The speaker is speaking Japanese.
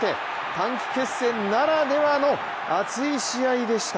短期決戦ならではの熱い試合でした。